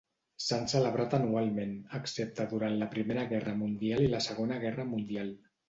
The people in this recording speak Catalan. S'han celebrat anualment, excepte durant la Primera Guerra Mundial i la Segona Guerra Mundial.